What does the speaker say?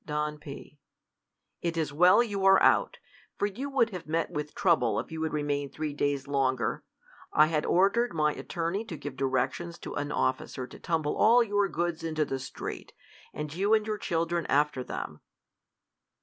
Don P, It is well you are out ; for you would have met with trouble, if you had remained three days longer. I had ordered my attorney to give directions to an officer to tumble all your goods into the street, and you and your children after them.